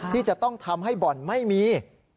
ที่จะต้องทำให้บ่อนไม่มี